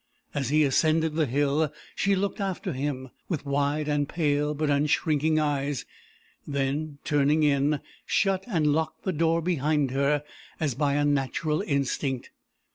As he ascended the hill, she looked after him, with wide and pale but unshrinking eyes; then turning in, shut and locked the door behind her, as by a natural instinct.